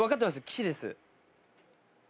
岸です。